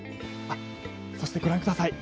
あっそしてご覧ください。